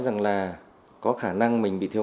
rằng là có khả năng mình bị thiếu